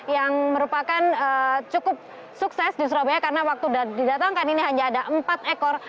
yang merupakan cukup sukses di surabaya karena waktu didatangkan ini hanya ada empat ekor